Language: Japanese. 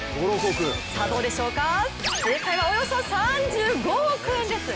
さあ、どうでしょうか、正解はおよそ３５億円です。